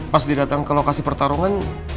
pas dia datang ke lokasi pertarungan